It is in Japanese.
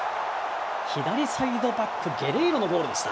左サイドバックゲレイロのゴールでした。